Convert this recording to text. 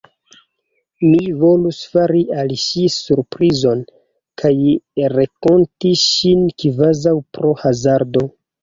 Mi volus fari al ŝi surprizon, kaj renkonti ŝin kvazaŭ pro hazardo.